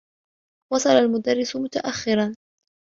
وصل المدرّس متأخّرا.